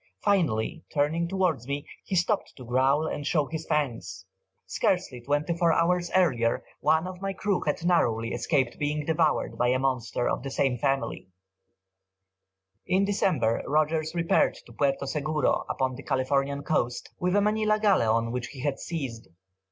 Finally, turning towards me, he stopped to growl and show his fangs. Scarcely twenty four hours earlier, one of my crew had narrowly escaped being devoured by a monster of the same family." [Illustration: "I plunged my pike into his breast."] In December, Rogers repaired to Puerto Seguro, upon the Californian coast, with a Manilla galleon, which he had seized.